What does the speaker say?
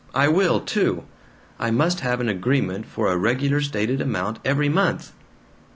I will, too! I must have an agreement for a regular stated amount, every month."